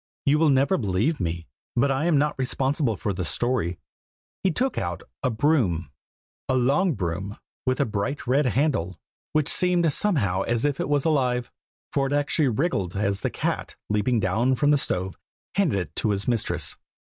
You will never believe me, but I am not responsible for the story. He took out a broom. A long broom, with a bright red handle, which seemed somehow as if it was alive, for it actually wriggled as the cat, leaping down from the stove, handed it to his mistress.